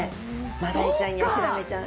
マダイちゃんやヒラメちゃん。